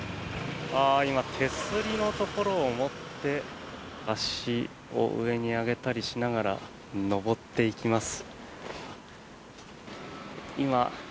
今、手すりのところを持って足を上に上げたりしながら上っていきます。